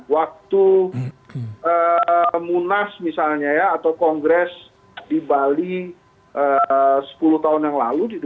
waktu munas misalnya ya atau kongres di bali sepuluh tahun yang lalu di dua ribu dua belas